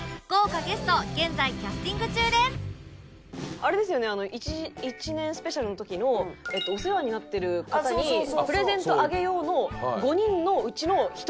あれですよね１年スペシャルの時のお世話になってる方にプレゼントあげようの５人のうちの一人。